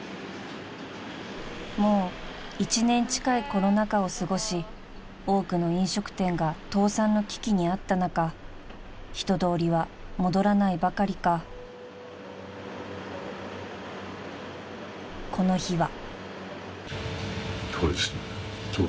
［もう１年近いコロナ禍を過ごし多くの飲食店が倒産の危機にあった中人通りは戻らないばかりかこの日は］